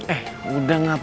eh udah gak apa apa